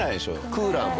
クーラーも。